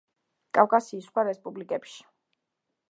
კავკასიის სხვა რესპუბლიკებში.